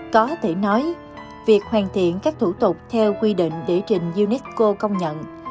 có thể nói việc hoàn thiện các thủ tục theo quy định địa chỉnh unesco công nhận